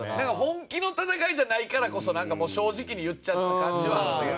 本気の戦いじゃないからこそもう正直に言っちゃった感じはあったけどね。